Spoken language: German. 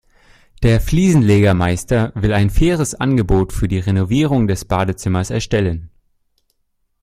Der Fliesenlegermeister will ein faires Angebot für die Renovierung des Badezimmers erstellen.